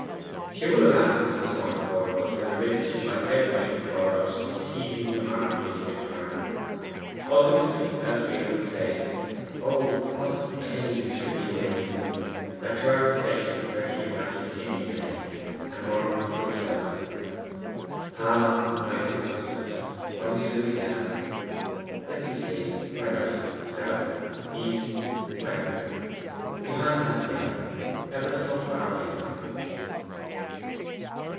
She would have asked Mrs. Swancourt but for the risk she might thereby incur of some teasing remark being returned. Ultimately Elfride would say, 'Oh, what a plague that reviewer is to me!' and turn her face to where she imagined India lay, and murmur to herself, 'Ah, my little husband, what are you doing now? Let me see, where are you south, east, where? Behind that hill, ever so far behind!